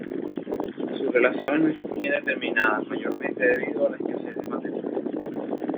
Sus relaciones no están bien determinadas, mayormente debido a la escasez del material.